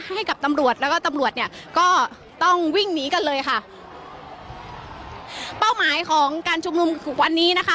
ให้กับตำรวจแล้วก็ตำรวจเนี่ยก็ต้องวิ่งหนีกันเลยค่ะเป้าหมายของการชุมนุมวันนี้นะคะ